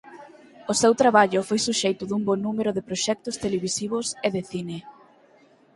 O seu traballo foi suxeito dun bo número de proxectos televisivos e de cine.